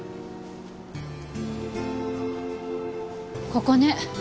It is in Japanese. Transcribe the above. ここね。